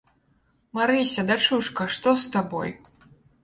Марыся, дачушка, што з табой?